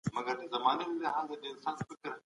سياست پوهانو ثابته کړې ده چي ولس د ځواک سرچينه ده.